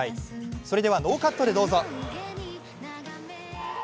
それではノーカットでどうぞ。